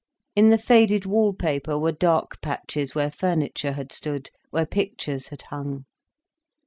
In the faded wallpaper were dark patches where furniture had stood, where pictures had hung.